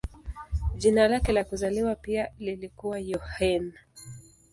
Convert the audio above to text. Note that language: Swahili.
Jina lake la kuzaliwa pia lilikuwa Yohane.